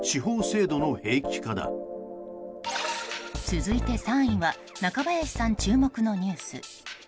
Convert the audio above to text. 続いて３位は中林さん注目のニュース。